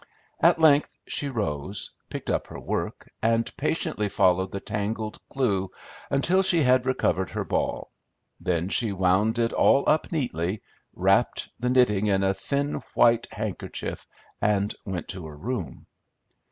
At length she rose, picked up her work, and patiently followed the tangled clue until she had recovered her ball; then she wound it all up neatly, wrapped the knitting in a thin white handkerchief, and went to her room.